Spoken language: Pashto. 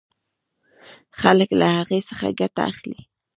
خلک له هغې څخه ګټه اخلي.